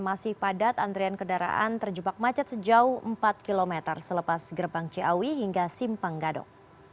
masih padat antrian kendaraan terjebak macet sejauh empat km selepas gerbang ciawi hingga simpang gadok